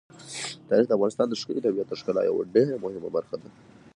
تاریخ د افغانستان د ښکلي طبیعت د ښکلا یوه ډېره مهمه برخه ده.